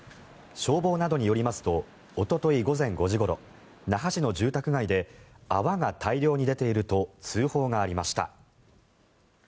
消防などによりますとおととい午前５時ごろ那覇市の住宅街で泡が大量に出ていると通報がありました。